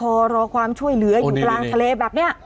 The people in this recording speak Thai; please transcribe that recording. พอรอความช่วยเหลืออยู่กลางทะเลแบบนี้